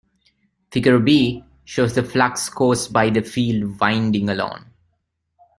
Figure B. shows the flux caused by the field winding alone.